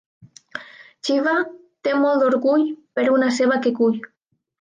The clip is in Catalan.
Xiva té molt d'orgull, per una ceba que cull.